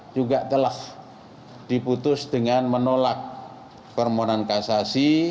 juga telah diputus dengan menolak permohonan kasasi